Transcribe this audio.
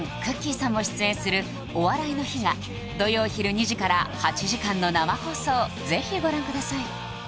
さんも出演するお笑いの日が土曜ひる２時から８時間の生放送ぜひご覧ください